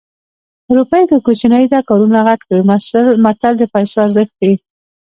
روپۍ که کوچنۍ ده کارونه غټ کوي متل د پیسو ارزښت ښيي